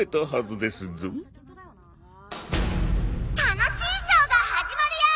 楽しいショーが始まるよ！